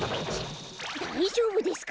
だいじょうぶですか？